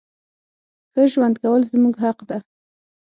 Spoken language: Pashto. ښه ژوند کول زمونږ حق ده.